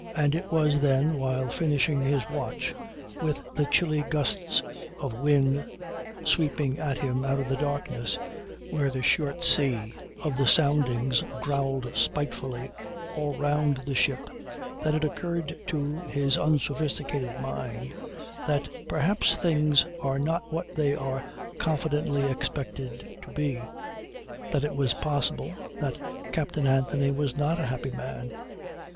And it was then, while finishing his watch, with the chilly gusts of wind sweeping at him out of the darkness where the short sea of the soundings growled spitefully all round the ship, that it occurred to his unsophisticated mind that perhaps things are not what they are confidently expected to be; that it was possible that Captain Anthony was not a happy man